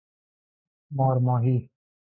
مار ماهی